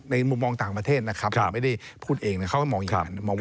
มุมมองต่างประเทศนะครับผมไม่ได้พูดเองนะเขาก็มองอย่างนั้น